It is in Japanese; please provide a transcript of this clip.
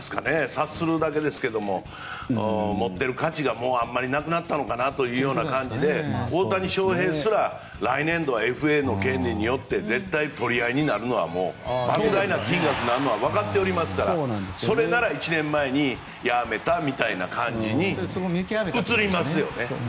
察するだけですが持っている価値があまりなくなったのかなという感じで大谷翔平すら来年度はＦＡの権利によって絶対取り合いになるのは間違いなくばく大な金額になるのはわかっておりますからそれなら１年前にやめたみたいな感じに映りますよね。